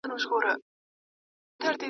د هغه له ملاتړ څخه لاس اخلم `